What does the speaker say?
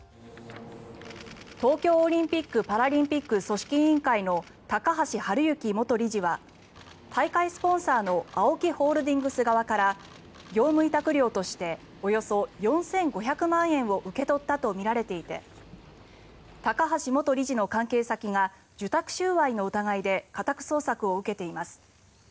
東京オリンピック・パラリンピック組織委員会の高橋治之元理事は大会スポンサーのＡＯＫＩホールディングス側から業務委託料としておよそ４５００万円を受け取ったとみられていて高橋元理事の関係先が受託収賄の疑いで家宅捜索を受けています。